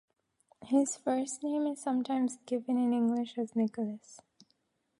His first name is sometimes given in English as Nicholas.